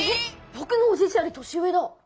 ぼくのおじいちゃんより年上だ。